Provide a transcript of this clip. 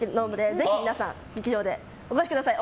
ぜひ皆さん劇場にお越しください。